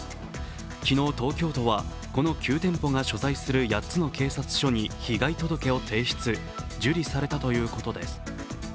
昨日、東京都はこの９店舗が所在する８つの警察署に被害届を提出、受理されたということです。